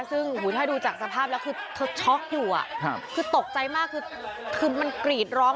ซึ่งถ้าดูจากสภาพแล้วคือเธอช็อกอยู่คือตกใจมากคือมันกรีดร้อง